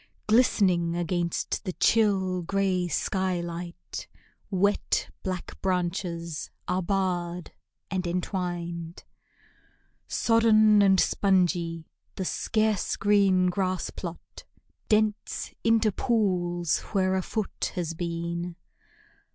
Glistening, against the chill, gray sky light, Wet, black branches are barred and entwined. Sodden and spongy, the scarce green grass plot Dents into pools where a foot has been.